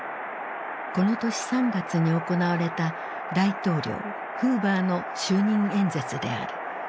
この年３月に行われた大統領フーバーの就任演説である。